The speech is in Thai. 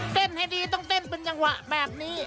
ให้ดีต้องเต้นเป็นจังหวะแบบนี้